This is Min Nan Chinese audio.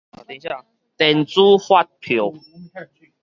電子發票